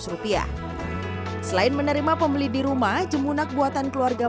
rp dua lima ratus selain menerima pembeli di rumah jemunak buatan keluarga